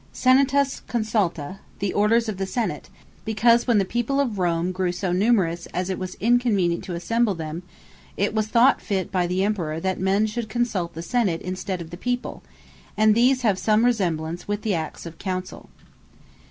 Senatus Consulta, the Orders Of The Senate; because when the people of Rome grew so numerous, as it was inconvenient to assemble them; it was thought fit by the Emperour, that men should Consult the Senate in stead of the people: And these have some resemblance with the Acts of Counsell.